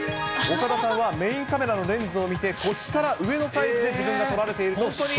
岡田さんはメインカメラのレンズを見て、腰から上のサイズで自分が撮られていると主張。